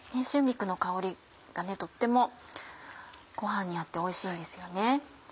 春菊の香りがとってもごはんに合っておいしいんですよね。